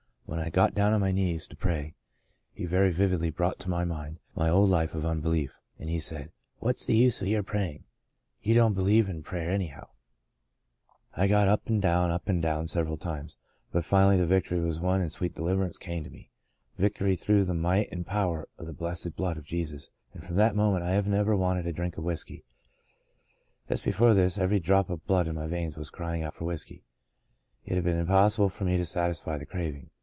When I got down on my knees to pray, he very vividly brought to my mind my old life of unbelief, and he said, * What's the use of your praying ? You don't believe in prayer anyhow.' I got up 40 God's Good Man and down, up and down several times, but finally the victory was won and sweet deliv erance came to me — victory through the might and power of the blessed blood of Jesus, and from that moment I have never wanted a drink of whiskey. Just before this every drop of blood in my veins was crying out for whiskey. It had been impossible for me to satisfy the craving.